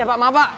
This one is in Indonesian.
ya pak maaf pak